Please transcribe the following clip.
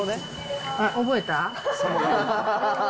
覚えた？